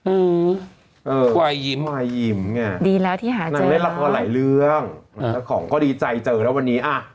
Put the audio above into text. อื้อควายอิ่มค่ะดีแล้วที่หาเจอนั่นไหมละพอหลายเรื่องหลักของก็ดีใจเจอแล้ววันนี้อ่ะ